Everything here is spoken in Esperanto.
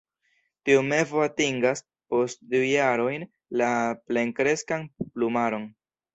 Tiu mevo atingas post du jarojn la plenkreskan plumaron.